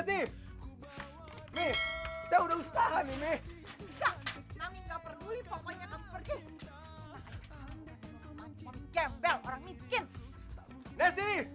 tapi mau diapain lagi